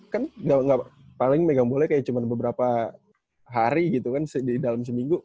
kan gak paling megang boleh kayak cuma beberapa hari gitu kan di dalam seminggu